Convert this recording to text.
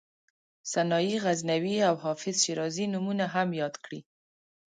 سنایي غزنوي او حافظ شیرازي نومونه هم یاد کړي.